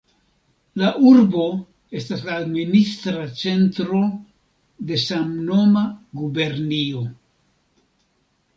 La urbo estas la administra centro de samnoma gubernio.